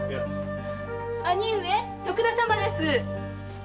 兄上徳田様です。